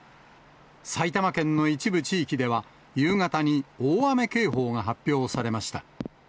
埼玉県の一部地域では、夕方に大雨警報が発表されました。